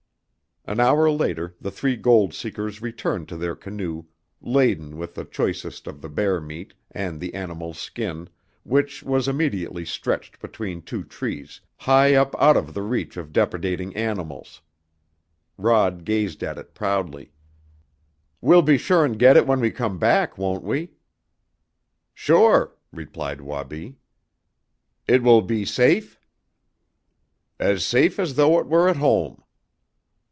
An hour later the three gold seekers returned to their canoe laden with the choicest of the bear meat, and the animal's skin, which was immediately stretched between two trees, high up out of the reach of depredating animals. Rod gazed at it proudly. "We'll be sure and get it when we come back, won't we?" "Sure," replied Wabi. "It will be safe?" "As safe as though it were at home."